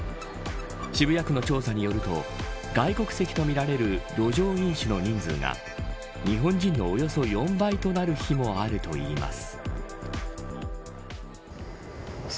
渋谷区の調査によると外国籍とみられる路上飲酒の人数が日本人のおよそ４倍となる日もあるといいます。